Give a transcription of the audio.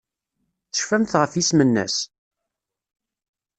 Tecfamt ɣef yisem-nnes?